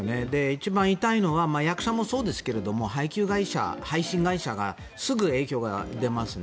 一番言いたいのは役者もそうですが配給会社、配信会社がすぐ影響が出ますね。